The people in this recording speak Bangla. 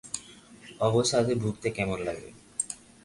অবসাদে ভুগতে কেমন লাগে?